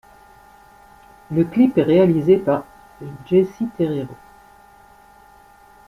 Le clip est réalisé par Jessy Terrero.